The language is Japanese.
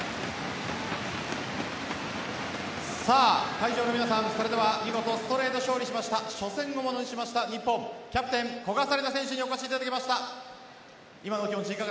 会場の皆さん、それでは見事ストレート勝利しました初戦をものにした日本キャプテン・古賀紗理那選手にお越しいただきました。